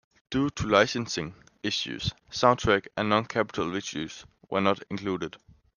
Due to licensing issues, soundtrack and non-Capitol videos were not included.